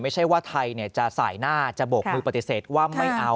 ไม่ใช่ว่าไทยจะสายหน้าจะโบกมือปฏิเสธว่าไม่เอา